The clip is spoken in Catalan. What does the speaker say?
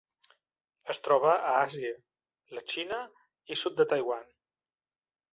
Es troba a Àsia: la Xina i sud de Taiwan.